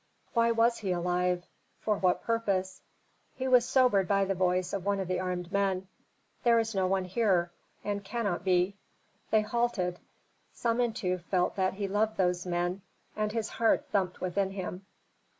"Why was he alive? For what purpose?" He was sobered by the voice of one of the armed men, "There is no one here, and cannot be." They halted. Samentu felt that he loved those men, and his heart thumped within him.